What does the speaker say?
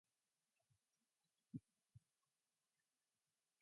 The relief from the epidemic is still commemorated in the churches of Paris.